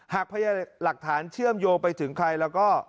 พยายามหลักฐานเชื่อมโยงไปถึงใครแล้วก็